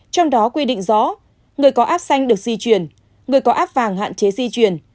trong đó quy định rõ người có áp xanh được di chuyển người có ap vàng hạn chế di chuyển